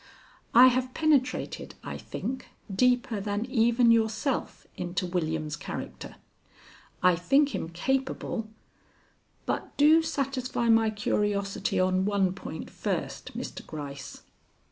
"I have penetrated, I think, deeper than even yourself, into William's character. I think him capable But do satisfy my curiosity on one point first, Mr. Gryce.